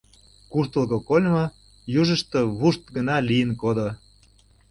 Куштылго кольмо южышто вушт гына лийын кодо.